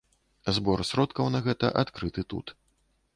Збор сродкаў на гэта адкрыты тут.